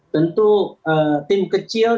tentu tim kecil